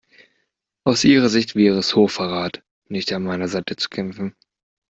Aus ihrer Sicht wäre es Hochverrat, nicht an meiner Seite zu kämpfen.